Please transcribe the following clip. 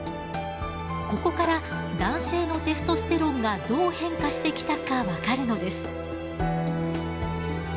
ここから男性のテストステロンがどう変化してきたか分かるのです。